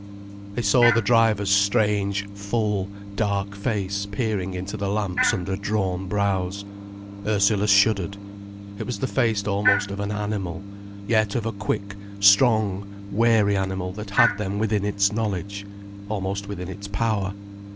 They saw the driver's strange, full, dark face peering into the lamps under drawn brows. Ursula shuddered. It was the face almost of an animal yet of a quick, strong, wary animal that had them within its knowledge, almost within its power.